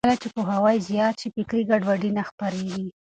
کله چې پوهاوی زیات شي، فکري ګډوډي نه خپرېږي.